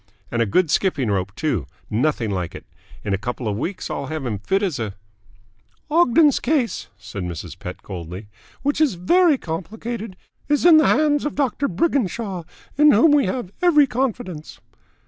And a good skipping rope, too. Nothing like it. In a couple of weeks I'll have him as fit as a " "Ogden's case," said Mrs. Pett coldly, "which is very complicated, is in the hands of Doctor Briginshaw, in whom we have every confidence."